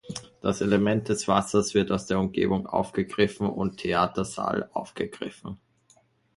Das Element des Wassers wird aus der Umgebung aufgegriffen und Theatersaal aufgegriffen.